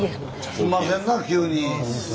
すいませんな急に。